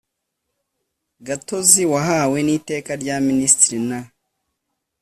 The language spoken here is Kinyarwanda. gatozi wahawe n Iteka rya Minisitiri n